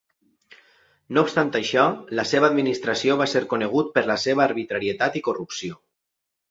No obstant això, la seva administració va ser conegut per la seva arbitrarietat i corrupció.